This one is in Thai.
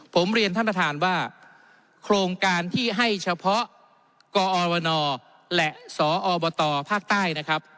ผมเรียนท่านประธานว่าโครงการที่ให้เฉพาะกอวนและสอบตภาคใต้นะครับ